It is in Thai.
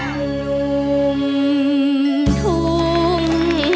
ลุงทุ่ง